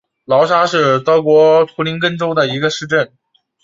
劳沙是德国图林根州的一个市镇。